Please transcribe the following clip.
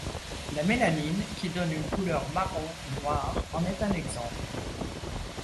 La mélanine, qui donne une couleur marron ou noire, en est un exemple.